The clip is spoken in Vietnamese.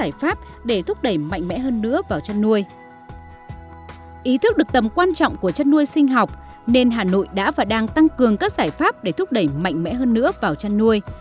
ý thức được tầm quan trọng của chăn nuôi sinh học nên hà nội đã và đang tăng cường các giải pháp để thúc đẩy mạnh mẽ hơn nữa vào chăn nuôi